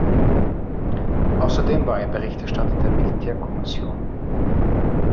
Ausserdem war er Berichterstatter der Militärkommission.